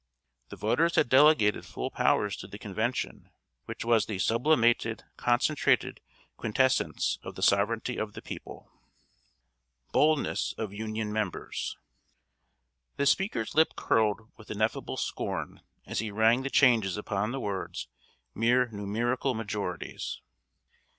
The voters had delegated full powers to the Convention, which was the "sublimated, concentrated quintessence of the sovereignty of the people." [Sidenote: BOLDNESS OF UNION MEMBERS.] The speaker's lip curled with ineffable scorn as he rang the changes upon the words "mere numerical majorities."